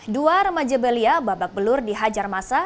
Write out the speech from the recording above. dua remaja belia babak belur dihajar masa